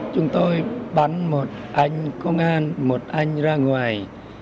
chúng tôi bắn một anh công an một anh ra ngoài